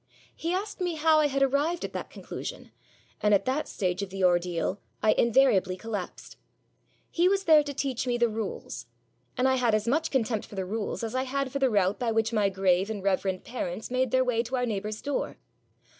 He asked me how I had arrived at that conclusion; and at that stage of the ordeal I invariably collapsed. He was there to teach me the rules; and I had as much contempt for the rules as I had for the route by which my grave and reverend parents made their way to our neighbour's door.